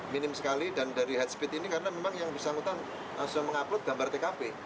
minim sekali dan dari head speed ini karena memang yang bersangkutan langsung mengupload gambar tkp